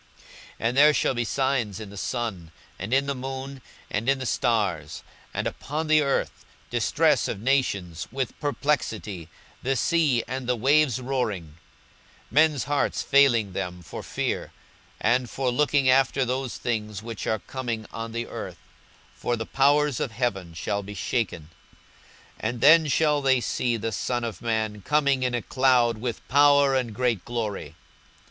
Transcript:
42:021:025 And there shall be signs in the sun, and in the moon, and in the stars; and upon the earth distress of nations, with perplexity; the sea and the waves roaring; 42:021:026 Men's hearts failing them for fear, and for looking after those things which are coming on the earth: for the powers of heaven shall be shaken. 42:021:027 And then shall they see the Son of man coming in a cloud with power and great glory.